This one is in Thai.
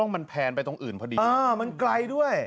มันแพนไปตรงอื่นพอดี